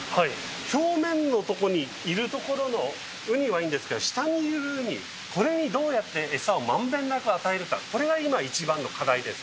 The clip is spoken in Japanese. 表面の所にいるところのウニはいいんですけど、下にいるウニ、これにどうやって餌をまんべんなく与えるか、これが今、一番の課題です。